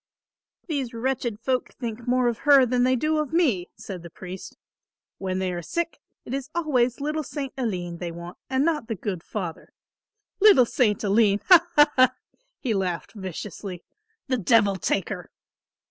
"These wretched folk think more of her than they do of me," said the priest. "When they are sick, it is always little St. Aline they want and not the good Father, 'Little St. Aline,' ha, ha, ha!" he laughed viciously. "The devil take her."